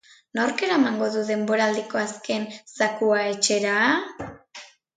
Nork eramango du denboraldiko azken zakua etxera?